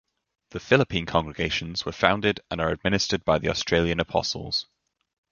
The Philippine congregations were founded and are administered by the Australian apostles.